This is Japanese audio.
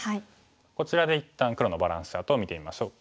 こちらで一旦黒のバランスチャートを見てみましょう。